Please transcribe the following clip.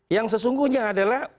yang sesungguhnya adalah